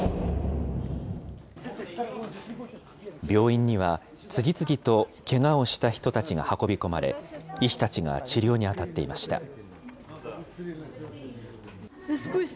病院には次々とけがをした人たちが運び込まれ、医師たちが治療に当たっていました。